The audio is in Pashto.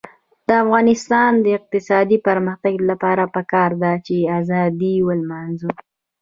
د افغانستان د اقتصادي پرمختګ لپاره پکار ده چې ازادي ولمانځو.